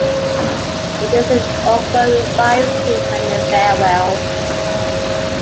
It is an opera with five scenes and a farewell.